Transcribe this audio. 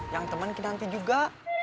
yang teman kinanti juga